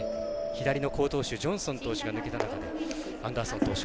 左の好投手、ジョンソン投手が抜けた中で、アンダーソン投手